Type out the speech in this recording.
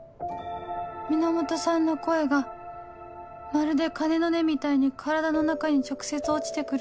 源さんの声がまるで鐘の音みたいに体の中に直接落ちて来る